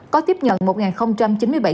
có tiếp nhận một chín mươi bảy người